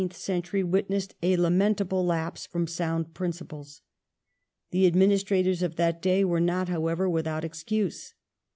1837] THE NEW POOR LAW 117 century witnessed a lamentable lapse from sound principles. The administrators of that day were not, however, without excuse.